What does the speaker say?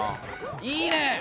いいね！